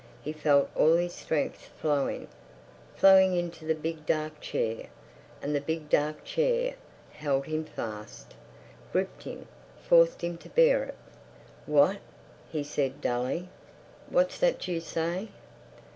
He felt all his strength flowing—flowing into the big dark chair, and the big dark chair held him fast, gripped him, forced him to bear it. "What?" he said dully. "What's that you say?"